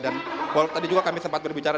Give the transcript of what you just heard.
dan tadi juga kami sempat berbicara